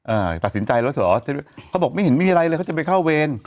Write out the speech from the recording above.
อ่าตัดสินใจแล้วเหรอเขาบอกไม่เห็นมีอะไรเลยเขาจะไปเข้าเวร